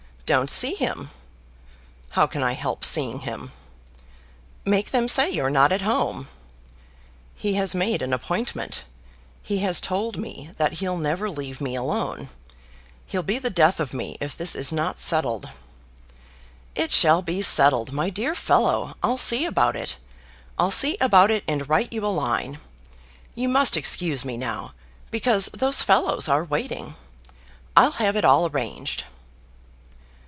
"Don't see him." "How can I help seeing him?" "Make them say you're not at home." "He has made an appointment. He has told me that he'll never leave me alone. He'll be the death of me if this is not settled." "It shall be settled, my dear fellow. I'll see about it. I'll see about it and write you a line. You must excuse me now, because those fellows are waiting. I'll have it all arranged."